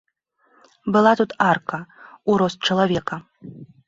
Была тут арка, у рост чалавека.